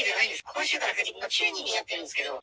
今週から９人でやってるんですけど。